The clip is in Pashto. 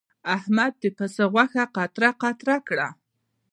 احمد د پسه غوښه قطره قطره کړه.